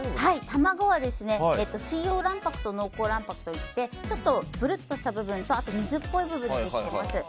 卵は水溶卵白と濃厚卵白といってちょっとぷるっとした部分と水っぽい部分があります。